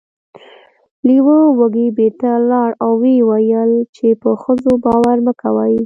لیوه وږی بیرته لاړ او و یې ویل چې په ښځو باور مه کوئ.